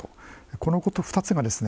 このこと２つがですね